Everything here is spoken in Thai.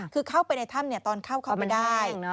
คือเข้าไปในถ้ำตอนเข้าเข้ามาได้